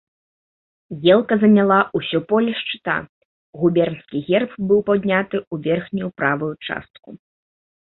Елка заняла ўсё поле шчыта, губернскі герб быў падняты ў верхнюю правую частку.